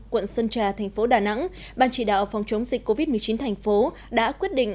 quận sơn trà thành phố đà nẵng ban chỉ đạo phòng chống dịch covid một mươi chín thành phố đã quyết định